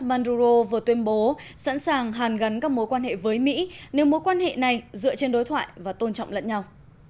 manduro vừa tuyên bố sẵn sàng hàn gắn các mối quan hệ với mỹ nếu mối quan hệ này dựa trên đối thoại và tôn trọng lẫn nhau